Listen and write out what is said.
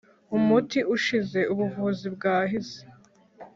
umuti ushize, ubuvuzi bwahise